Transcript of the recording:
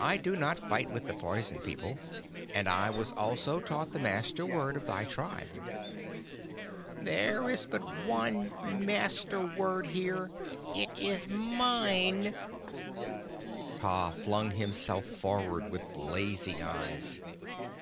I do not fight with the Poison People, and I was also taught the Master word of thy tribe." "There is but one Master word here. It is mine!" Kaa flung himself forward with blazing eyes.